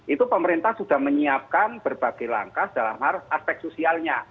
itu pemerintah sudah menyiapkan berbagai langkah dalam hal aspek sosialnya